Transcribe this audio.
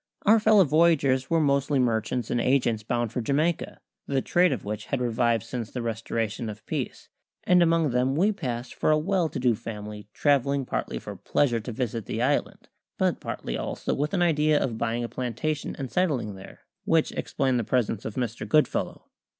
Our fellow voyagers were mostly merchants and agents bound for Jamaica, the trade of which had revived since the restoration of peace; and among them we passed for a well to do family travelling partly for pleasure to visit the island, but partly also with an idea of buying a plantation and settling there which explained the presence of Mr. Goodfellow.